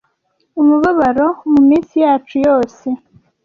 Umubabaro muminsi yacu yose.